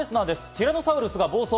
ティラノサウルスが暴走。